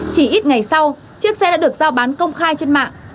chỉ ít ngày sau chiếc xe đã được giao bán công khai trên mạng